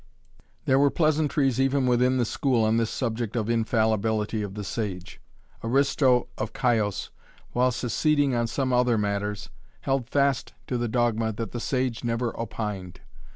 There were pleasantries even within the school on this subject of infallibility of the sage. Aristo of Chios, while seceding on some other matters, held fast to the dogma that the sage never opined.